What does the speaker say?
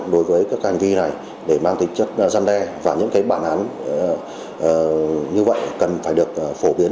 đối với các hành vi này để mang tính chất gian đe và những bản án như vậy cần phải được phổ biến